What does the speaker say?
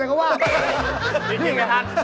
อย่างไรท่าน